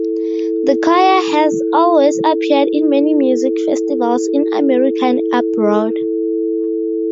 The choir has also appeared in many music festivals in America and abroad.